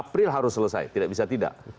april harus selesai tidak bisa tidak